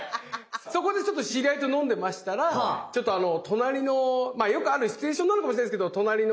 そこでちょっと知り合いと飲んでましたらまあよくあるシチュエーションなのかもしれないですけどなるほど。